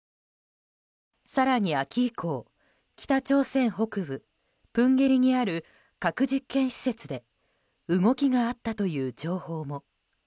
更に秋以降北朝鮮北部プンゲリにある核実験施設で動きがあったという情報も。